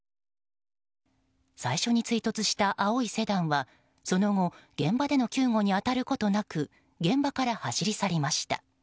最初に追突した青いセダンはその後現場での救護に当たることなく現場から走り去りました。